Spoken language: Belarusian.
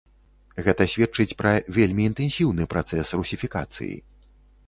Гэта сведчыць пра вельмі інтэнсіўны працэс русіфікацыі.